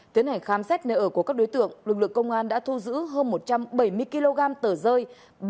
tiến hành khám xét nơi ở của các đối tượng lực lượng công an đã thu giữ hơn một trăm bảy mươi kg tờ rơi